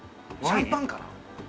シャンパンかな？